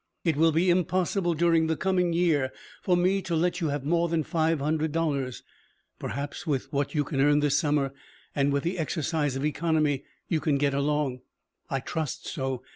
It will be impossible during the coming year for me to let you have more than five hundred dollars. Perhaps, with what you earn this summer and with the exercise of economy, you can get along. I trust so.